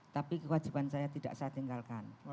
tapi kewajiban saya tidak saya tinggalkan